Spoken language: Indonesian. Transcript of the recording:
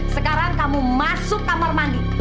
sekarang kamu masuk kamar mandi